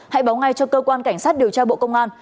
hãy báo ngay cho cơ quan cảnh sát điều tra bộ công an